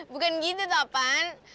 bukan gitu tapan